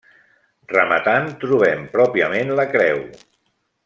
Rematant trobem pròpiament la creu.